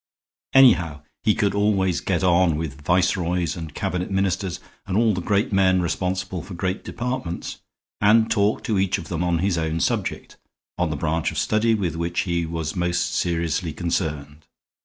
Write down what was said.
Anyhow, he could always get on with viceroys and Cabinet Ministers and all the great men responsible for great departments, and talk to each of them on his own subject, on the branch of study with which he was most seriously concerned.